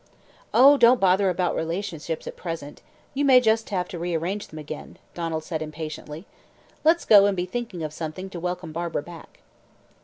"Oh, don't bother about relationships at present you may just have to rearrange them again," Donald said impatiently. "Let's go and be thinking of something to welcome Barbara back."